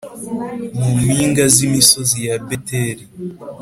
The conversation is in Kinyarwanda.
mu mpinga z’imisozi ya Beteri